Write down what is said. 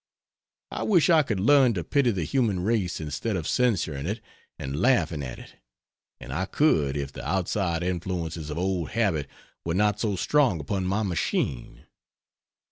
I wish I could learn to pity the human race instead of censuring it and laughing at it; and I could, if the outside influences of old habit were not so strong upon my machine.